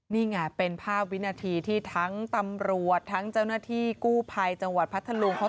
นี่ไงเป็นภาพวินาทีที่ทั้งตำรวจทั้งเจ้าหน้าที่กู้ภัยจังหวัดพัทธลุง